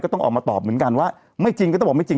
ต้องออกมาตอบเหมือนกันว่าไม่จริงก็ต้องบอกไม่จริง